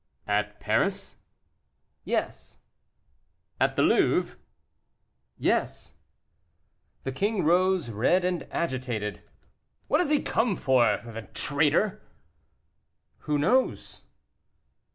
"At Paris?" "Yes." "At the Louvre?" "Yes." The king rose, red and agitated. "What has he come for? The traitor!" "Who knows?"